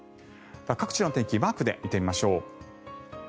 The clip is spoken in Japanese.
各地の天気をマークで見てみましょう。